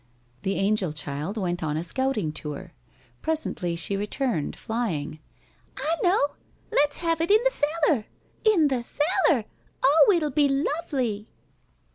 The angel child went on a scouting tour. Presently she returned, flying. "I know! Let's have it in the cellar! In the cellar! Oh, it'll be lovely!"